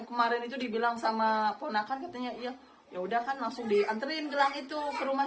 kemarin itu dibilang sama ponakan katanya iya yaudah kan langsung dianterin gelang itu ke rumah